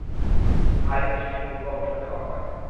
ভারী বৃষ্টির পূর্বাভাসও দেওয়া হয়।